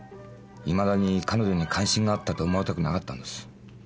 今だに彼女に関心があったと思われたくなかったんです。